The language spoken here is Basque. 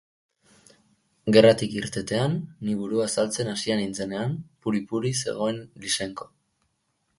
Gerratik irtetean, ni burua azaltzen hasia nintzenean, puri-purian zegoen Lyssenko.